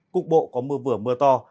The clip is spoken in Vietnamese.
cục bộ có mưa vừa mưa to